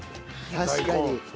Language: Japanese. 確かに。